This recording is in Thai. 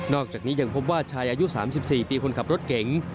อกจากนี้ยังพบว่าชายอายุ๓๔ปีคนขับรถเก๋ง